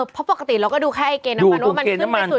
เพราะปกติเราก็ดูแค่ไอเกณฑ์น้ำมันว่ามันขึ้นไปสุด